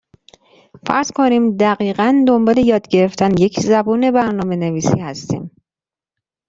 فرض کنیم دقیقا دنبال یاد گرفتن یک زبون برنامه نویسی هستیم.